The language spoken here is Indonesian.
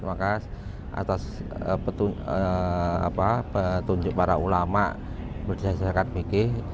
maka atas petunjuk para ulama berdiri sekat pikir